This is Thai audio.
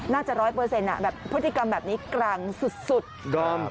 น่าจะร้อยเปอร์เซ็นต์พฤติกรรมแบบนี้กลางสุด